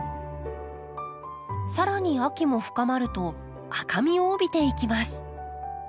更に秋も深まると赤みを帯びていきます。